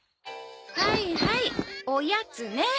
はいはいおやつね。